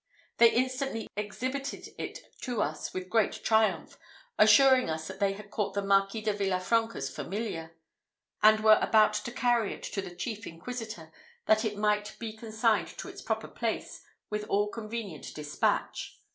They instantly exhibited it to us with great triumph, assuring us that they had caught the Marquis de Villafranca's familiar, and were about to carry it to the chief inquisitor, that it might be consigned to its proper place, with all convenient despatch.